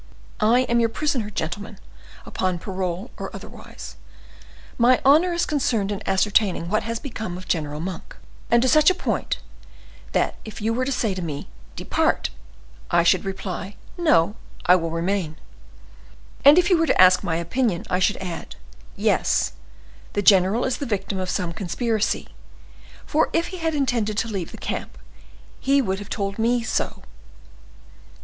I am your prisoner, gentlemen, upon parole or otherwise. My honor is concerned in ascertaining what has become of General Monk, and to such a point, that if you were to say to me, 'Depart!' I should reply: 'No, I will remain!' And if you were to ask my opinion, I should add: 'Yes, the general is the victim of some conspiracy, for, if he had intended to leave the camp he would have told me so.